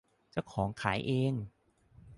เจ้าของขายเอง